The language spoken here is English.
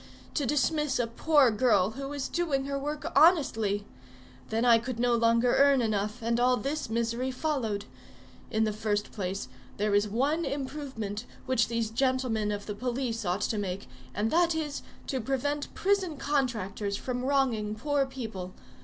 To dismiss a poor girl who is doing her work honestly! Then I could no longer earn enough, and all this misery followed. In the first place, there is one improvement which these gentlemen of the police ought to make, and that is, to prevent prison contractors from wronging poor people.